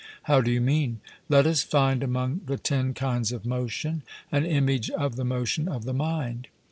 'How do you mean?' Let us find among the ten kinds of motion an image of the motion of the mind.